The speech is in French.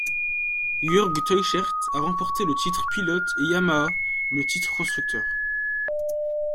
Jörg Teuchert a remporté le titre pilote et Yamaha le titre constructeur.